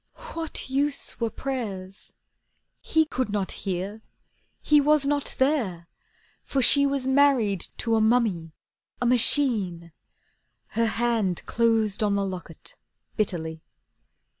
What use were prayers! He could not hear, he was not there, for she Was married to a mummy, a machine. Her hand closed on the locket bitterly.